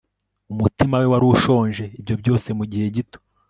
umutima we wari ushonje ibyo byose mugihe gito